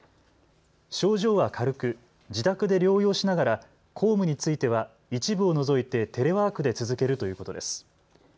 症状は軽く、自宅で療養しながら公務については一部を除いてテレワークで続けるということです。